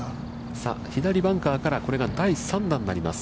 さあ、左バンカーからこれが第３打になります。